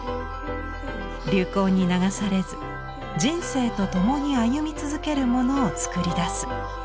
流行に流されず人生と共に歩み続けるものを作り出す。